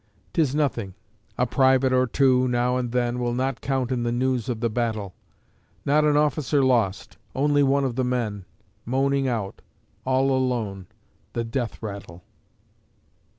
'Tis nothing a private or two, now and then, Will not count in the news of the battle; Not an officer lost only one of the men, Moaning out, all alone, the death rattle."